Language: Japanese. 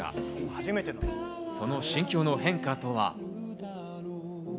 その心境の変化とは？